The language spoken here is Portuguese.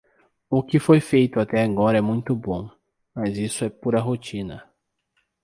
O que foi feito até agora é muito bom, mas isso é pura rotina.